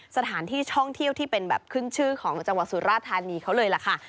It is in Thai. สถานที่ท่องเที่ยวที่เป็นแบบขึ้นชื่อของจังหวัดสุราธานีเขาเลยล่ะค่ะ